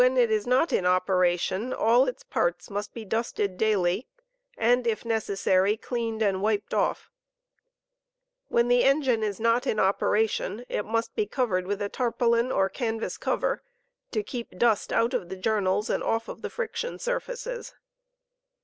it is not in operation all its parts must be dusted daily, and, if necessary, Cleaned and wiped oft*. When the engine'is not in operation it must be covered with a tarpaulin or canvas cover, to keep dust out of the journals and off of the firiotion surfaces.